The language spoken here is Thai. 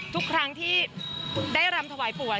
ทุกครั้งที่ได้รำถวายป่วย